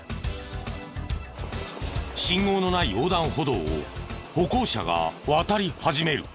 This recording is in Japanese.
信号のない横断歩道を歩行者が渡り始める。